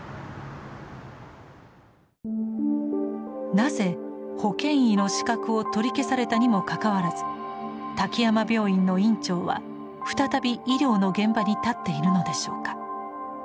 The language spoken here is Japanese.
なぜ保険医の資格を取り消されたにもかかわらず滝山病院の院長は再び医療の現場に立っているのでしょうか？